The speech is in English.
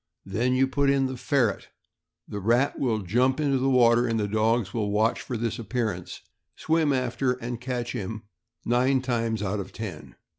Then you put in the ferret, the rat will jump into the water, and the dogs will watch for nis appearance, swim after and catch him, nine times out of ten.